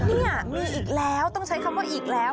นี่มีอีกแล้วต้องใช้คำว่าอีกแล้ว